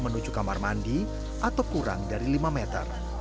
menuju kamar mandi atau kurang dari lima meter